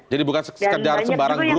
jadi bukan sekedar sembarang grup gitu ya